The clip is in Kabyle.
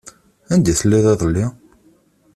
Anda telliḍ iḍelli?